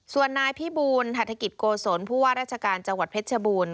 ส่วนนายพี่บูลหัฐกิจโกศลผู้ว่าราชการจังหวัดเพชรชบูรณ์